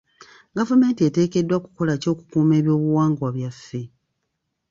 Gavumenti eteekeddwa kukola ki okukuuma ebyobuwangwa byaffe?